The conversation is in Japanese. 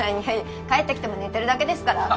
帰ってきても寝てるだけですから。